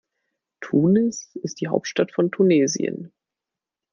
Tunis ist die Hauptstadt von Tunesien.